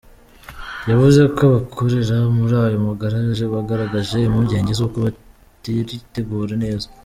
Yavuze ko abakorera muri ayo magaraje bagaragaje impungenge zuko bataritegura neza.